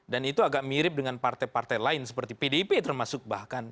dan itu agak mirip dengan partai partai lain seperti pdip termasuk bahkan